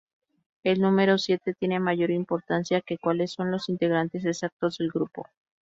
El número siete tiene mayor importancia que cuales son los integrantes exactos del grupo.